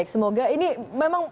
semoga ini memang